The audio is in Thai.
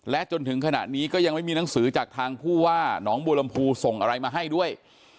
จนถึงขณะนี้ก็ยังไม่มีหนังสือจากทางผู้ว่าหนองบัวลำพูส่งอะไรมาให้ด้วย